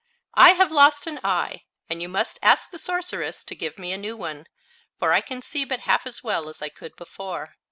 "I have lost an eye, and you must ask the sorceress to give me a new one, for I can see but half as well as I could before."